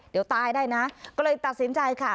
เดี๋ยวตายได้นะก็เลยตัดสินใจค่ะ